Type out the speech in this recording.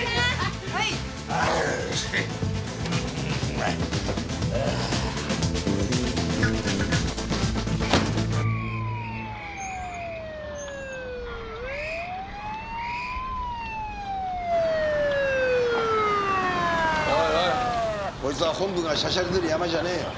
おいおいこいつは本部がしゃしゃり出るヤマじゃねえよ。